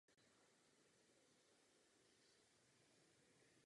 Nachází se v okolí nového nádraží na západní straně města.